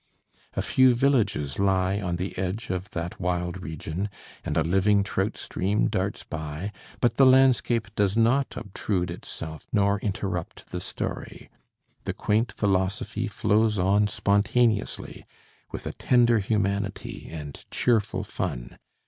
A few villages lie on the edge of that wild region, and a living trout stream darts by, but the landscape does not obtrude itself nor interrupt the story. The quaint philosophy flows on spontaneously, with a tender humanity and cheerful fun.